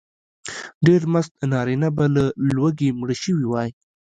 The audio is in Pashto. ډېر مست نارینه به له لوږې مړه شوي وای.